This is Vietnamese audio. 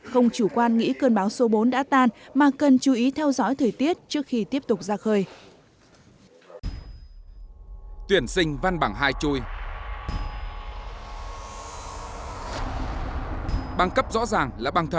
không chủ quan nghĩ cơn bão số bốn đã tan mà cần chú ý theo dõi thời tiết trước khi tiếp tục ra khơi